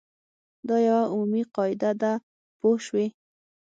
دا یوه عمومي قاعده ده پوه شوې!.